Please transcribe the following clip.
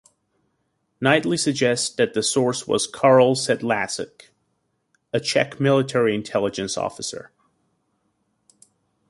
Knightley suggests that the source was Karel Sedlacek, a Czech military intelligence officer.